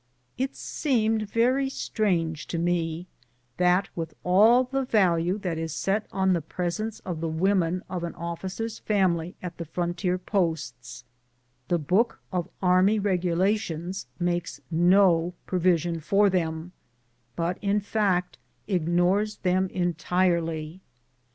It seemed very strange to me that with all the value that is set on the presence of the women of an officer's family at the frontier posts, the book of army regula tions makes no provision for them, but in fact ignores them entirely